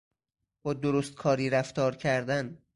با درستکاری رفتار کردن